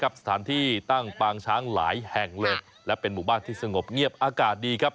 สถานที่ตั้งปางช้างหลายแห่งเลยและเป็นหมู่บ้านที่สงบเงียบอากาศดีครับ